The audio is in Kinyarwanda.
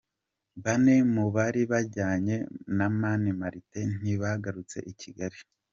Bane mu bari bajyanye na Mani Martin ntibagarutse i Kigali.